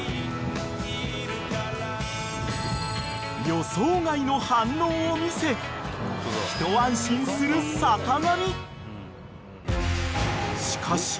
［予想外の反応を見せ一安心する坂上］